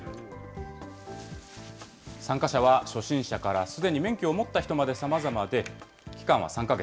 参加者は初心者からすでに免許を持った人までさまざまで、期間は３か月。